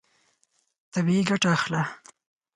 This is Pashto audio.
طبیعي ګټه اخله.